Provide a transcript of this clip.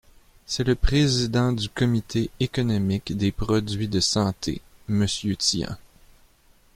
C’est le président du Comité économique des produits de santé, monsieur Tian.